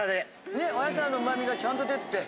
ねっお野菜の旨みがちゃんと出てて。